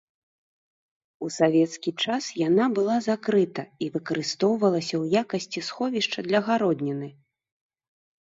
У савецкі час яна была закрыта і выкарыстоўвалася ў якасці сховішча для гародніны.